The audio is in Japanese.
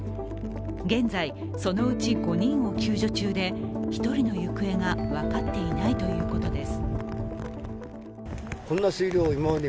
現在、そのうち５人を救助中で１人の行方が分かっていないということです。